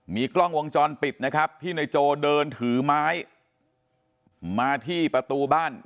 มีกล้องวงจรปิดนะครับที่ในโจเดินถือไม้มาที่ประตูบ้าน